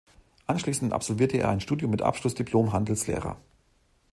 Anschließend absolvierte er ein Studium mit Abschluss Diplom-Handelslehrer.